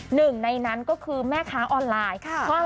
หนึ่งในนั้นก็คือแม่ค้าออนไลน์